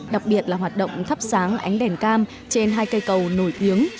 đặc biệt là hoạt động thắp sáng ánh đèn cam trên hai cây cầu nổi tiếng